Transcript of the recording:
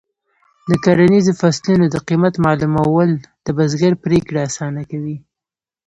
د کرنیزو فصلونو د قیمت معلومول د بزګر پریکړې اسانه کوي.